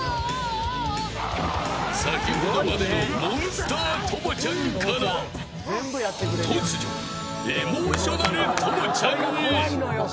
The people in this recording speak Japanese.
先ほどまでのモンスター朋ちゃんから突如エモーショナル朋ちゃんへ。